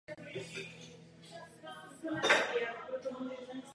Jako hlavní použití tohoto operačního systému se očekávají vestavěné systémy a vzdělávání.